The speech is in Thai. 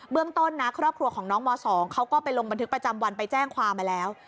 เรื่องต้นนะครอบครัวของน้องม๒เขาก็ไปลงบันทึกประจำวันไปแจ้งความมาแล้ว